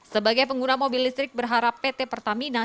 sebagai pengguna mobil listrik berharap pt pertamina